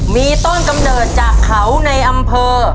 มีต้นกำเนิดจากเขาในอำเภอ